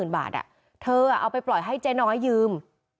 ๕๐๐๐๐บาทอะเธออ่ะเอาไปปล่อยให้เจน้อยยืม